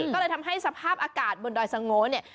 ก็เลยทำให้สภาพอากาศบนดอยสโง่เนี่ย